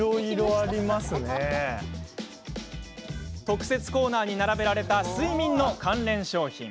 特設コーナーに並べられた睡眠の関連商品。